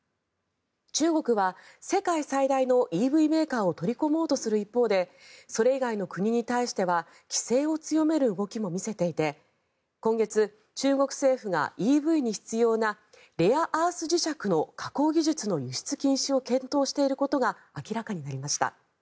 中国は世界最大のＥＶメーカーを取り込もうとする一方でそれ以外の国に対しては規制を強める動きも見せていて今月、中国政府がＥＶに必要なレアアース磁石の加工技術の輸出禁止を検討していることが明らかになりました。